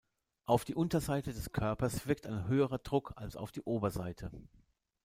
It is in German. Auf die Unterseite des Körpers wirkt ein höherer Druck als auf die Oberseite.